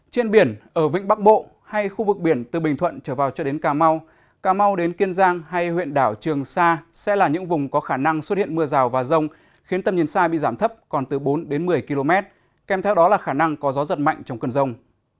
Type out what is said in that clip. trên biển ở vĩnh bắc bộ hay khu vực biển từ bình thuận trở vào cho đến cà mau cà mau đến kiên giang hay huyện đảo trường sa sẽ là những vùng có khả năng xuất hiện mưa rào và rông khiến tầm nhìn xa bị giảm thấp còn từ bốn một mươi km kèm theo đó là khả năng có gió giật mạnh trong cơn rông